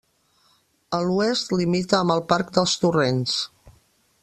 A l'oest limita amb el Parc dels Torrents.